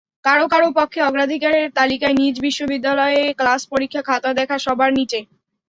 কারও কারও পক্ষে অগ্রাধিকারের তালিকায় নিজ বিশ্ববিদ্যালয়ে ক্লাস-পরীক্ষা-খাতা দেখা সবার নিচে।